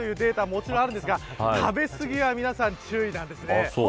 もちろん、あるんですが食べ過ぎには皆さん、注意なんですね。